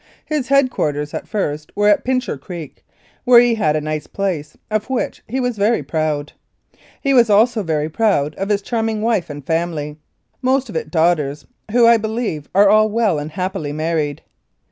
His head quarters at first were at Pincher Creek, where he had a nice place, of which he was very proud. He was also very proud of his charming wife and family, most of it daughters, who, I believe, are all well and happily married.